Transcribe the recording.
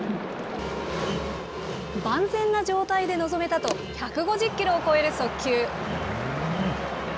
万全な状態で臨めたと、１５０キロを超える速球。